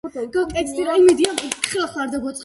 მალევე მუშაობა დაიწყო მთიელთა რესპუბლიკის პარლამენტმა.